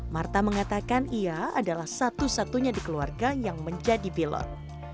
marta mengatakan ia adalah satu satunya di keluarga yang menjadi pilot